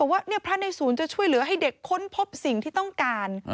ว่าพระในศูนย์จะช่วยเหลือให้เด็กค้นพบสิ่งที่ต้องการ